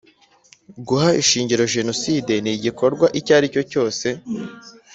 guha ishingiro Jenoside ni igikorwa icyo ari cyo cyose